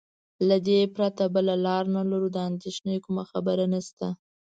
له دې پرته بله لار نه لرو، د اندېښنې کومه خبره نشته.